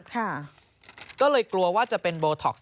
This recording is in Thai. ก็เลยกลัวว่าจะเป็นโบท็อกซ์